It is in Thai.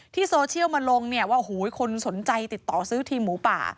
โซเชียลมาลงเนี่ยว่าโอ้โหคนสนใจติดต่อซื้อทีมหมูป่า